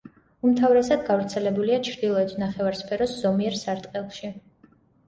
უმთავრესად გავრცელებულია ჩრდილოეთ ნახევარსფეროს ზომიერ სარტყელში.